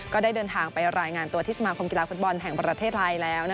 ก็ได้เดินทางไปรายงานตัวที่สมาคมกีฬาฟุตบอลแห่งประเทศไทยแล้ว